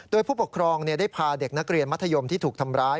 โดยผู้ปกครองได้พาเด็กนักเรียนมัธยมที่ถูกทำร้าย